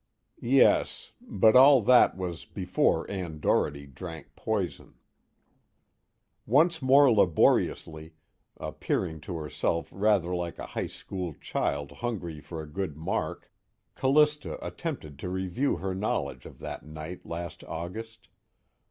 Yes but all that was before Ann Doherty drank poison. Once more laboriously, appearing to herself rather like a high school child hungry for a good mark, Callista attempted to review her knowledge of that night last August.